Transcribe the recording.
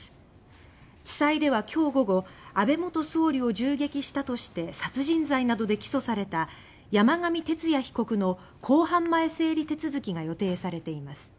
地裁では、今日午後安倍元総理を銃撃したとして殺人罪などで起訴された山上徹也被告の公判前整理手続きが予定されています。